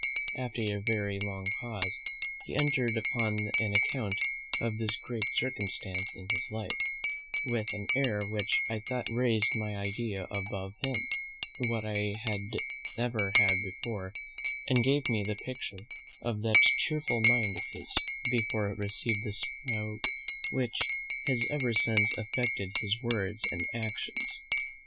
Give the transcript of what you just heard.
After a very long pause he entered upon an account of this great circumstance in his life, with an air which I thought raised my idea of him above what I had ever had before; and gave me the picture of that chearful mind of his, before it received that stroke which has ever since affected his words and actions.